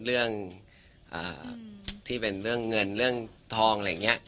เรื่องที่เป็นเรื่องเงินเรื่องทองอะไรอย่างนี้